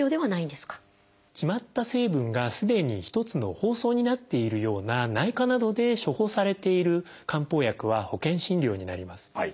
決まった成分がすでに１つの包装になっているような内科などで処方されている漢方薬は保険診療になります。